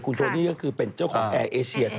คุณโทนี่ก็คือเป็นเจ้าของแอร์เอเชีย